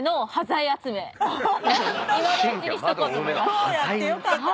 今日やってよかったね！